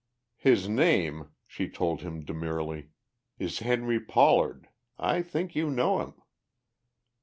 "His name," she told him demurely, "is Henry Pollard. I think you know him."